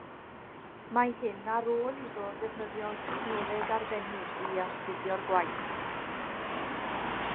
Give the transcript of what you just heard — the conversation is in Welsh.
Mae hyn ar ôl iddo ddefnyddio technoleg arbennig i astudio'r gwaith